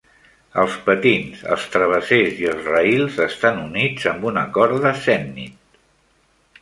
Els patins, els travessers i els rails estan units amb una corda sennit.